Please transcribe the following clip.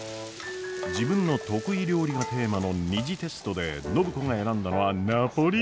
自分の得意料理がテーマの２次テストで暢子が選んだのはナポリタン！